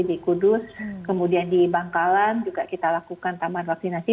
jadi di kudus kemudian di bangkalan juga kita lakukan tambahan vaksinasi